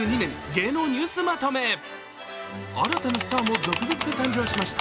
新たなスターも続々と誕生しました。